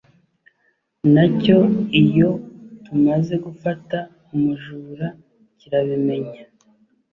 na cyo iyo tumaze gufata umujura kirabimenya